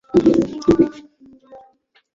আমি নায়না জয়সওয়ালের বাগদত্তার কাছ থেকে এই তথ্য পেয়েছি।